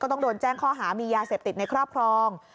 ต้องโดนแจ้งข้อหามียาเสพติดในครอบครอง